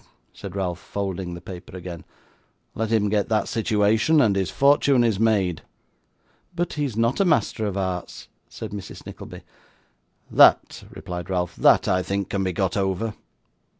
said Ralph, folding the paper again. 'Let him get that situation, and his fortune is made.' 'But he is not a Master of Arts,' said Mrs. Nickleby. 'That,' replied Ralph, 'that, I think, can be got over.